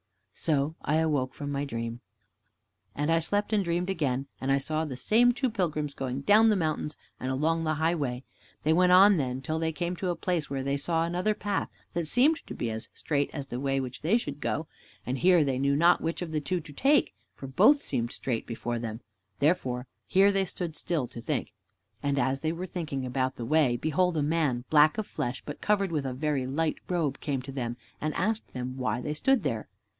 So I awoke from my dream. And I slept and dreamed again, and I saw the same two pilgrims going down the mountains and along the highway. They went on then till they came to a place where they saw another path that seemed to be as straight as the way which they should go. And here they knew not which of the two to take, for both seemed straight before them, therefore here they stood still to think. And as they were thinking about the way, behold, a man, black of flesh, but covered with a very light robe, came to them, and asked them why they stood there.